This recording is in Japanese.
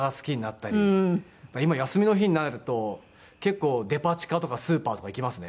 今休みの日になると結構デパ地下とかスーパーとか行きますね。